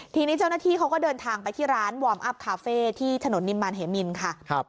ทีนี้เจ้าหน้าที่เขาก็เดินทางไปที่ร้านวอร์มอัพคาเฟ่ที่ถนนนิมมารเหมินค่ะ